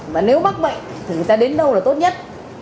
và nếu mắc bệnh thì người ta đến đâu là tốt nhất